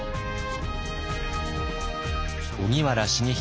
荻原重秀